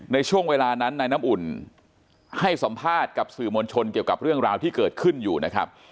ในช่วงเวลานั้นนายน้ำอุ่นให้สัมภาษณ์กับสื่อมวลชนเกี่ยวกับเรื่องราวที่เกิดขึ้นอยู่นะครับ